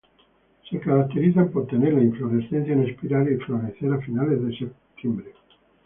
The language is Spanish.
Se caracterizan por tener la inflorescencia en espiral y florecer a finales de septiembre.